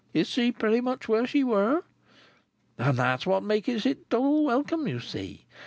Is she pretty much where she were?' And that's what makes it double welcome, you see.